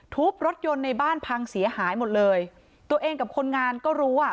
ทุบรถยนต์ในบ้านพังเสียหายหมดเลยตัวเองกับคนงานก็รู้อ่ะ